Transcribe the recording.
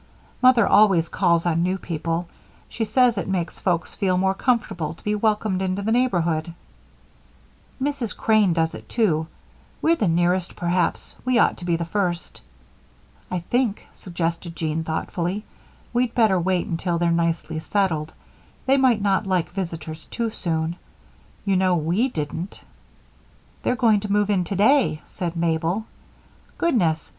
Mother always calls on new people; she says it makes folks feel more comfortable to be welcomed into the neighborhood." "Mrs. Crane does it, too. We're the nearest, perhaps we ought to be the first." "I think," suggested Jean thoughtfully, "we'd better wait until they're nicely settled; they might not like visitors too soon. You know we didn't." "They're going to move in today," said Mabel. "Goodness!